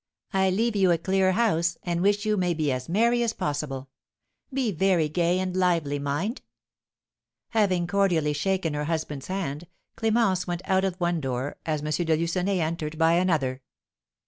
I leave you a clear house, and wish you may be as merry as possible. Be very gay and lively, mind." Having cordially shaken her husband's hand, Clémence went out of one door as M. de Lucenay entered by another.